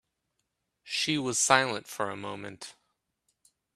She was silent for a moment.